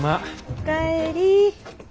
お帰り。